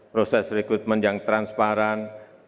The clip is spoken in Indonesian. proses rekrutmen yang transparan